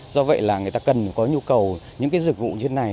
do vậy là người ta cần có nhu cầu những cái dịch vụ như thế này